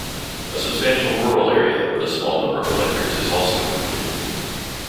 A substantial rural area with a small number of electors is also included.